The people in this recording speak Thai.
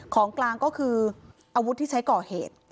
ของกลางก็คืออาวุธที่ใช้ก่อเหตุ